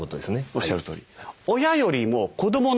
おっしゃるとおり。